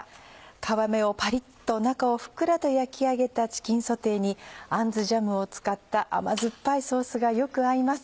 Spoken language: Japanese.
皮目をパリっと中をふっくらと焼き上げたチキンソテーにアンズジャムを使った甘酸っぱいソースがよく合います。